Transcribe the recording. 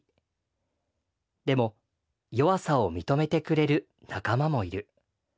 でも弱さを認めてくれる仲間もいる。